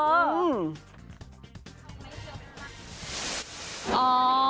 อื้อ